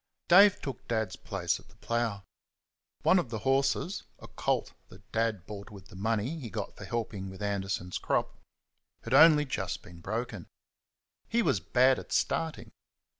Dave took Dad's place at the plough. One of the horses a colt that Dad bought with the money he got for helping with Anderson's crop had only just been broken. He was bad at starting.